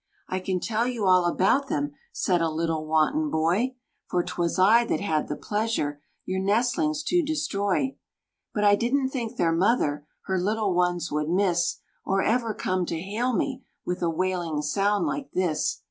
"I can tell you all about them;" Said a little wanton boy "For 'twas I that had the pleasure Your nestlings to destroy. "But I didn't think their mother Her little ones would miss; Or ever come to hail me With a wailing sound, like this.